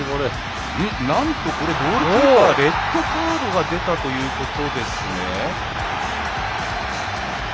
なんとゴールキーパーにレッドカードが出たということですね。